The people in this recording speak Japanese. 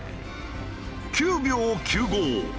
９秒９５。